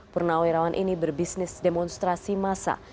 purnawai rawan ini berbisnis demonstrasi massa